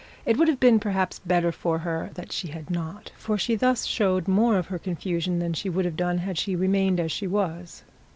It would have been perhaps better for her that she had not, for she thus showed more of her confusion than she would have done had she remained as she was.